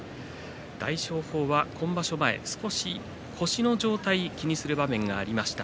大翔鵬は今場所前、少し腰の状態を気にする場面がありました。